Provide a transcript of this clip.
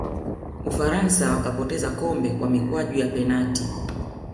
ufaransa wakapoteza kombe kwa mikwaju ya penati